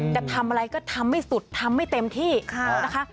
จะทำอะไรก็ทำไม่สุดทำไม่เต็มที่นะคะ